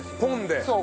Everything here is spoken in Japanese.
そう。